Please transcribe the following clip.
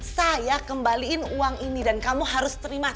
saya kembaliin uang ini dan kamu harus terima